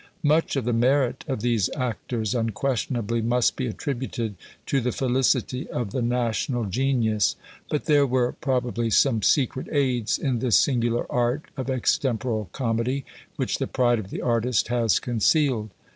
Much of the merit of these actors unquestionably must be attributed to the felicity of the national genius. But there were probably some secret aids in this singular art of Extemporal Comedy which the pride of the artist has concealed.